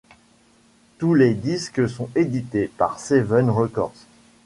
Tous les disques sont édités par Seventh Records.